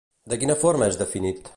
De quina forma és definit?